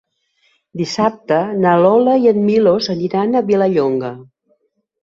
Dissabte na Lola i en Milos aniran a Vilallonga.